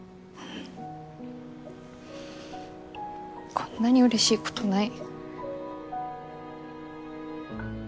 こんなにうれしいことない。